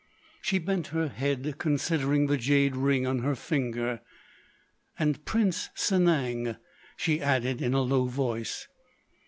She bent her head, considering the jade ring on her finger. "—And Prince Sanang," she added in a low voice.